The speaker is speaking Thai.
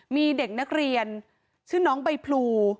มีเด็กนักเรียนชื่อน้องใบพลู